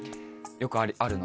よくあるね！